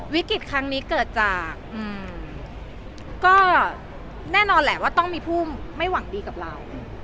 วิกฤตครั้งนี้เกิดจากก็แน่นอนแหละว่าต้องมีผู้ไม่หวังดีกับเรา